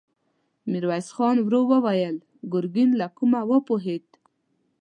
ميرويس خان ورو وويل: ګرګين له کومه وپوهېد؟